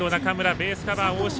ベースカバー、大島。